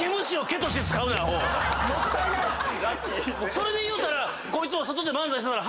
それでいうたらこいつは外で漫才してたら。